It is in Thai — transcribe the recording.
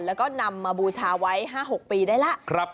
แล้วก็นำมาบูชาไว้๕๖ปีได้แล้ว